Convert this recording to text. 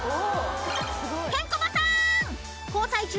［ケンコバさーん］